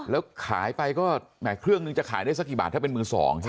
แล้วขายไปก็แหมเครื่องนึงจะขายได้สักกี่บาทถ้าเป็นมือสองใช่ไหม